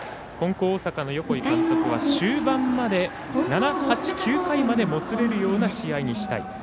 金光大阪の横井監督は終盤まで、７、８、９回までもつれるような試合にしたい。